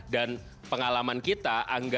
dan pengalaman kita